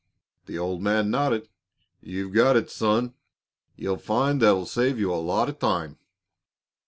The old man nodded. "You've got it, son; you'll find that'll save you a lot of time."